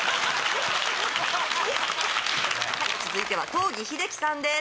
続いては東儀秀樹さんです